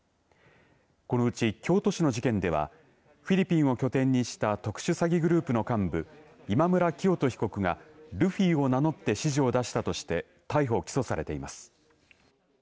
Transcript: このうち、京都市の事件ではフィリピンを拠点にした特殊詐欺グループの幹部今村磨人被告がルフィを名乗って指示を出したとして逮捕、起訴されています。